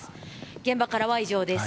現場からは以上です。